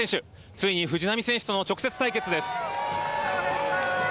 ついに藤浪選手との直接対決です。